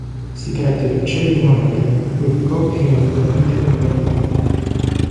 Si tratta di uccelli monogami, le cui coppie rimangono unite per la vita.